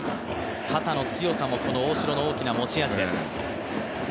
肩の強さもこの大城の大きな持ち味です。